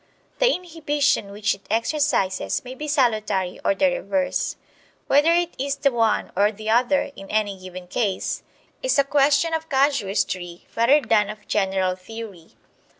The inhibition which it exercises may be salutary or the reverse. Wether it is the one or the other in any given case is a question of casuistry rather than of general theory.